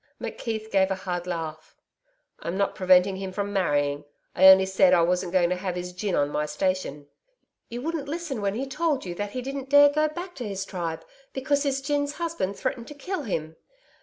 McKeith gave a hard laugh. 'I'm not preventing him from marrying. I only said I wasn't going to have his gin on my station.' 'You wouldn't listen when he told you that he didn't dare go back to his tribe because his gin's husband threatened to kill him.'